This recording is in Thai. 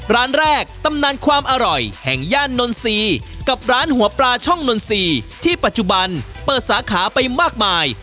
ร้านแรกตำนานความอร่อยแห่งย่านนทรีย์กับร้านหัวปลาช่องนนทรีย์ที่ปัจจุบันเปิดสาขาไปมากมาย